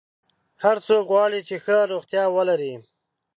هر څوک غواړي چې ښه روغتیا ولري.